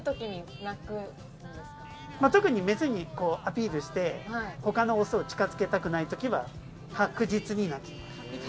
特にメスにアピールして他のオスを近づけたくないときは確実に鳴きます。